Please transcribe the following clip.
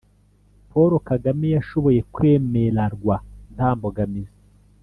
paul kagame yashoboye kwemerarwa nta mbogamizi .